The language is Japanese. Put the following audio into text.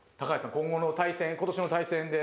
今後の対戦今年の対戦で。